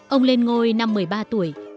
ông lên ngôi năm một mươi ba tuổi